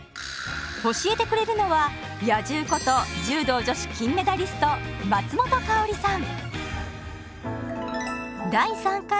教えてくれるのは「野獣」こと柔道女子金メダリスト松本薫さん。